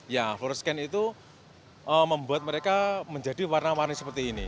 ya follower scan itu membuat mereka menjadi warna warni seperti ini